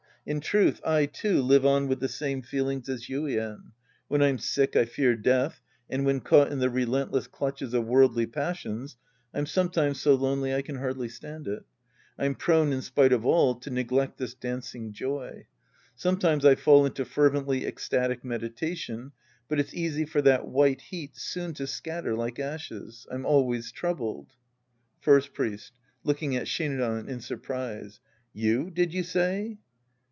In truth, I, too, live on with the same feelings as Yuien. V/hen I'm sick, I fear death, and when caught in the relentless clutches of worldly passions, I'm sometimes so lonely I can hardly stand it. I'm pi'one in spite of all to neglect this dancing joy. Sometimes I fall into fervently ecstatic meditation, but it's easy for that wliite heat soon to scatter like ashes. I'm always troubled. First Priest (looking at Shinran in surprise). You, did you say